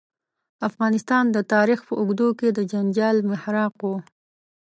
افغانستان د تاریخ په اوږدو کې د جنجال محراق و.